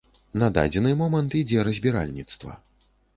На дадзены момант ідзе разбіральніцтва.